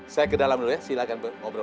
saya ke dalam dulu ya silahkan ngobrol